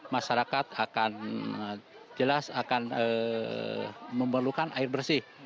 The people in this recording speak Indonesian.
masyarakat akan jelas akan memerlukan air bersih